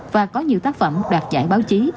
và có nhiều tác phẩm đạt giải báo chí